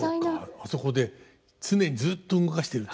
あそこで常にずっと動かしてると。